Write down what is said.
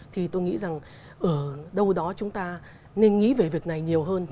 thì tôi nghĩ rằng ở đâu đó chúng ta nên nghĩ về việc này nhiều hơn